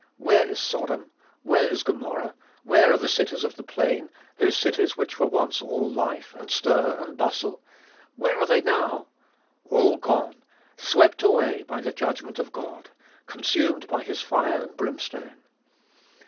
"Where is Sodom? Where is Gomorrah? Where are the cities of the plain, those cities which were once all life, and stir, and bustle? Where are they now? All gone! swept away by the judgment of God! Consumed by his fire and brimstone!"